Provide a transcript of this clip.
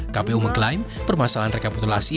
kpu mengklaim permasalahan rekapitulasi